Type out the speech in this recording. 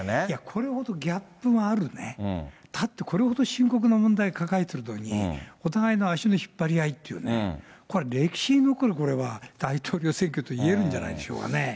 いや、これほどギャップがあるね、だってこれほど深刻な問題抱えてるのに、お互いに足の引っ張り合いっていうね、これ、歴史に残る、これは大統領選挙といえるんじゃないでしょうかね。